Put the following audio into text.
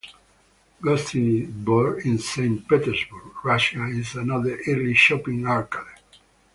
Gostiny Dvor in Saint Petersburg, Russia is another early shopping arcade.